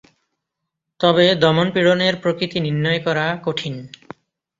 তবে দমন পীড়নের প্রকৃতি নির্ণয় করা কঠিন।